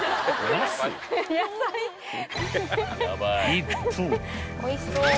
［一方］